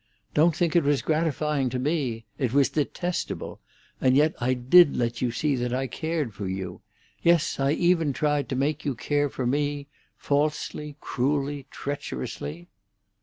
Don't think it was gratifying to me. It was detestable; and yet I did let you see that I cared for you. Yes, I even tried to make you care for me—falsely, cruelly, treacherously."